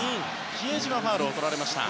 比江島がファウルをとられました。